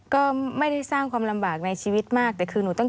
ก็ไม่ได้สร้างความลำบากในชีวิตมากแต่คือหนูต้อง